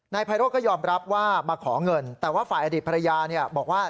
ไพโรธก็ยอมรับว่ามาขอเงินแต่ว่าฝ่ายอดีตภรรยาบอกว่า